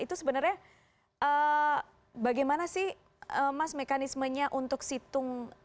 itu sebenarnya bagaimana sih mas mekanismenya untuk situng